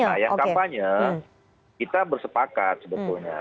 nah yang kampanye kita bersepakat sebetulnya